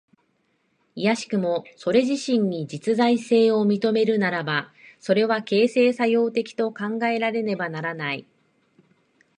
いやしくもそれ自身に実在性を認めるならば、それは形成作用的と考えられねばならない。